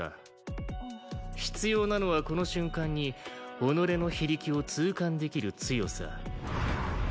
必要なのはこの瞬間に己の非力を痛感できる強さ。